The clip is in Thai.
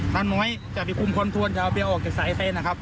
น้ำน้อยจะไปคุมคอนโทรนจะเอาไปออกจากสายไฟนะครับ